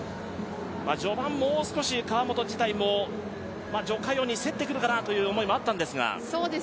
序盤もう少し川本自体も徐嘉余に競ってくるかなという思いもあったんですが。